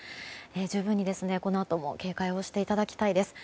十分にこのあとも警戒していただきたいです。